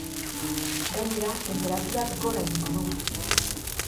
Gainera, tenperaturak gora egingo du.